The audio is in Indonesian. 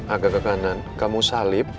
agak ke kanan kamu salib